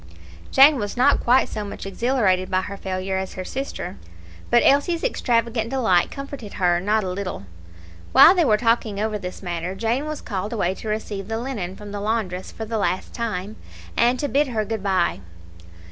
Jane was not quite so much exhilarated by her failure as her sister; but Elsie's extravagant delight comforted her not a little. While they were talking over this matter, Jane was called away to receive the linen from the laundress for the last time, and to bid her good bye.